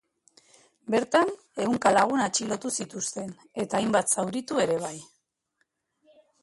Bertan ehunka lagun atxilotu zituzten eta hainba zauritu ere bai.